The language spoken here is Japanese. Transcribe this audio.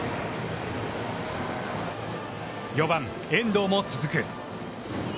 ４番遠藤も続く。